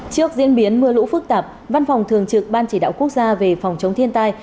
trước diễn biến mưa lũ phức tạp văn phòng thường trực ban chỉ đạo quốc gia về phòng chống thiên tai